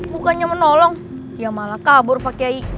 bukannya menolong ya malah kabur pak kiai